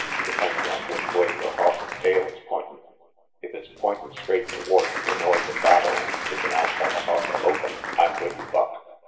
Depends on which way your hoss's tail is pointin'. If it's pointin' straight towards the noise of battle and stickin' out like a hoss a lopin', I'm with you, Buck.